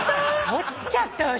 撮っちゃったわよ